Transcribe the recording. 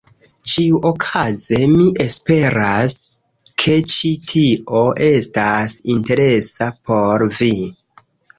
Ĉiuokaze mi esperas, ke ĉi tio estas interesa por vi.